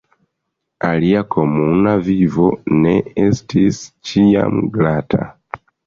Ilia komuna vivo ne estis ĉiam glata.